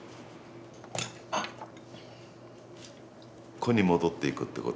「個」に戻っていくってこと。